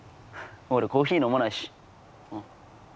俺コーヒー飲まないし。